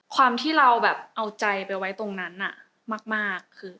ความที่เราแบบเอาใจไปไว้ตรงนั้นมากคือ